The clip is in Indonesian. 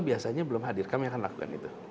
biasanya belum hadir kami akan lakukan itu